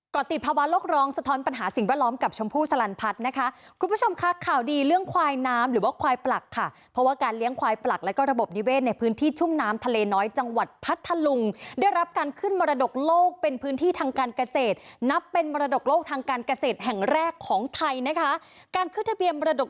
ก็ติดภาวะโลกร้องสะท้อนปัญหาสิ่งแวดล้อมกับชมพู่สลันพัฒน์นะคะคุณผู้ชมค่ะข่าวดีเรื่องควายน้ำหรือว่าควายปลักค่ะเพราะว่าการเลี้ยงควายปลักแล้วก็ระบบนิเวศในพื้นที่ชุ่มน้ำทะเลน้อยจังหวัดพัทธลุงได้รับการขึ้นมรดกโลกเป็นพื้นที่ทางการเกษตรนับเป็นมรดกโลกทางการเกษตรแห่งแรกของไทยนะคะการขึ้นทะเบียนมรดก